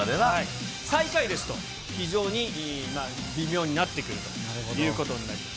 最下位ですと、非常に微妙になってくるということになります。